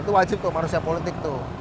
itu wajib kok manusia politik tuh